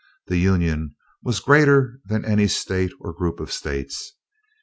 The Union was greater than any State or any group of States.